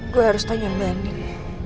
gue harus tanya manny